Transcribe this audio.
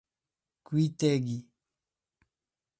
Cuitegi